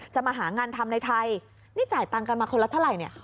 มาหางานทำในไทยนี่จ่ายตังค์กันมาคนละเท่าไหร่เนี่ย